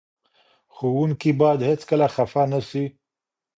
ښوونکي باید هېڅکله خفه نه سي.